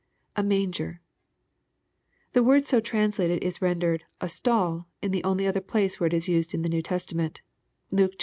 [A rruinger.] The word so translated is rendered, "a stall," in the only other place where it is used in the New Testament Luke xii.